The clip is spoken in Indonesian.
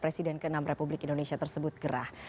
presiden ke enam republik indonesia tersebut gerah